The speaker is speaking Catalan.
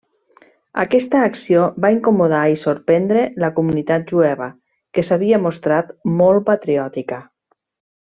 Aquesta acció va incomodar i sorprendre la comunitat jueva, que s'havia mostrat molt patriòtica.